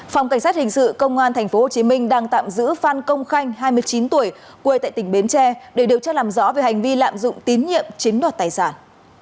phòng cảnh sát hình sự công an tp hcm đang tạm giữ phan công khanh hai mươi chín tuổi quê tại tỉnh bến tre để điều tra làm rõ về hành vi lạm dụng tín nhiệm chiếm đoạt tài sản